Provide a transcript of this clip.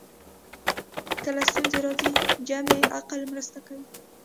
کله ستونزې راځي جمعي عقل مرسته کوي